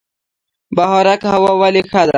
بهارک هوا ولې ښه ده؟